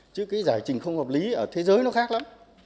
chứ cái giải trình không hợp lý ở thế giới nó khác lắm